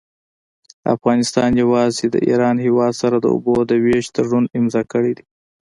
افغانستان يوازي د ايران هيواد سره د اوبو د ويش تړون امضأ کړي دي.